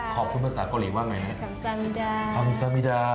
ขอบคุณภาษาเกาหลีว่าไงนะครับ